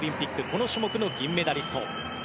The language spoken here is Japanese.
この種目の銀メダリスト。